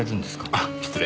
あっ失礼。